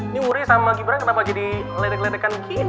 ini wuri sama gibran kenapa lagi diletek letekan gini